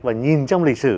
và nhìn trong lịch sử